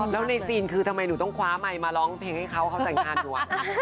แล้วในซีนคือทำไมหนูต้องคว้าไมค์มาร้องเพลงให้เขาเขาแต่งงานอยู่